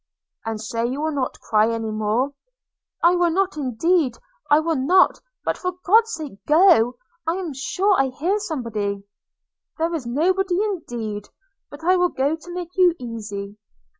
'And say you will not cry any more now.' 'I will not, indeed I will not – but for God's sake go! – I'm sure I hear somebody.' 'There is nobody, indeed; but I will go to make you easy.'